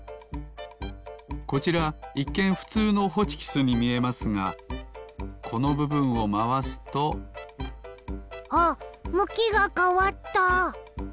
こちらいっけんふつうのホチキスにみえますがこのぶぶんをまわすとあっむきがかわった！